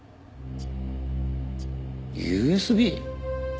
ＵＳＢ？